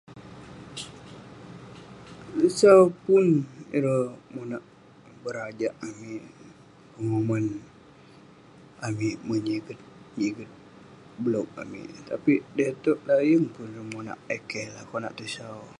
Tesau pun ireh monak berajak amik, penguman amik menyiget nyiget blok amik. Tapik, dai itouk lah yeng pun ireh monak eh keh lah konak tesau.